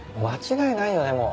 間違いないよね